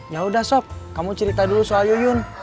yaudah sob kamu cerita dulu soal yuyun